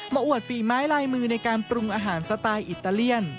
อวดฝีไม้ลายมือในการปรุงอาหารสไตล์อิตาเลียน